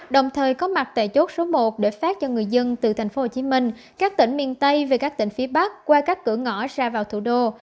đồng thời có mặt tại chốt số một để phát cho người dân từ tp hcm các tỉnh miền tây về các tỉnh phía bắc qua các cửa ngõ ra vào thủ đô